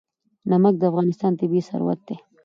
نمک د افغانستان طبعي ثروت دی.